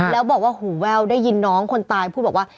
แล้วบอกว่าหูแว่วได้ยินน้องคนตายพูดบอกว่า